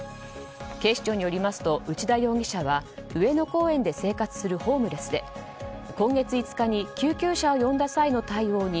警視庁によりますと内田容疑者は上野公園で生活するホームレスで今月５日に救急車を呼んだ際の対応に